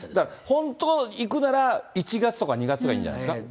本当は行くなら、１月とか２月がいいんじゃないですか？